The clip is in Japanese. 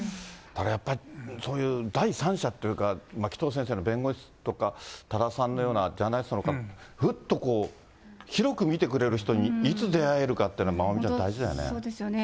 やっぱり第三者というか、紀藤先生の弁護士とか、多田さんのようなジャーナリストの方、ふっとこう、広く見てくれる人にいつ出会えるかっていうのは、まおみちゃん、本当そうですよね。